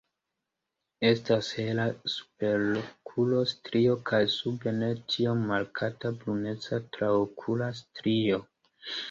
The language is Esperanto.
Estas hela superokula strio kaj sube ne tiom markata bruneca traokula strio.